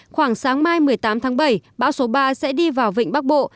khoảng sáng mai một mươi tám tháng bảy bão số ba sẽ đi vào vịnh bắc bộ